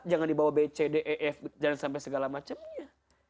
jangan dibawa b c d e f jangan sampai segala macemnya